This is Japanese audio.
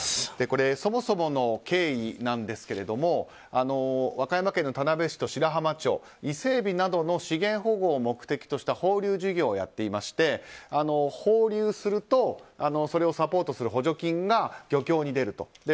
そもそもの経緯なんですが和歌山県の田辺市と白浜町伊勢エビなどの資源保護を目的とした放流事業をやっていまして放流するとそれをサポートする補助金が漁協に出ると。